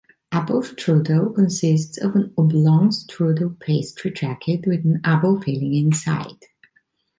Apple strudel consists of an oblong strudel pastry jacket with an apple filling inside.